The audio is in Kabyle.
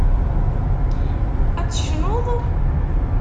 Ad tecnuḍ?